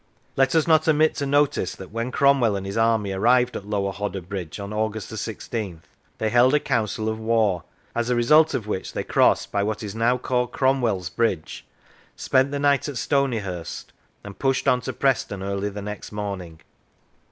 Let us not omit to notice that when Cromwell and his army arrived at Lower Hodder Bridge on August 1 6th, they held a council of war, as the result of which they crossed by what is now called Cromwell's Bridge, spent the night at Stonyhurst, and pushed on to Preston early the next morning.